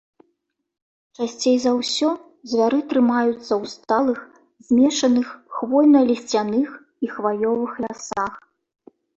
Часцей за ўсё звяры трымаюцца ў сталых змешаных хвойна-лісцяных і хваёвых лясах.